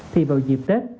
thì vào dịp tết